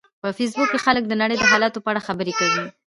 په فېسبوک کې خلک د نړۍ د حالاتو په اړه خبرې کوي